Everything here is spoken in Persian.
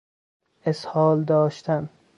اسهال داشتن